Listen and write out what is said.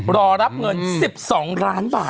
รอรับเงิน๑๒ล้านบาท